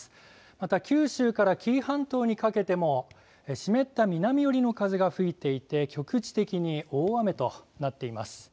また九州から紀伊半島にかけても湿った南寄りの風が吹いていて局地的に大雨となっています。